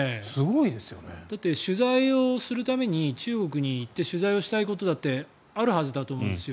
だって、取材をするために中国に行って取材をしたいことだってあるはずだと思うんですよ。